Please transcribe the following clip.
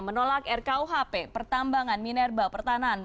menolak rkuhp pertambangan mineral pertanahan